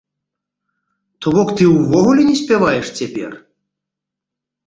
То бок ты ўвогуле не спяваеш цяпер?